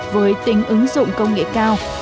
với tính ứng dụng công nghệ cao